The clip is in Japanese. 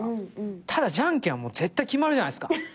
ただじゃんけんは絶対決まるじゃないですか。